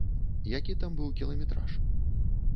Які там быў кіламетраж?